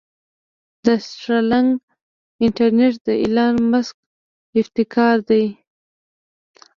د سټارلنک انټرنټ د ايلان مسک ابتکار دې.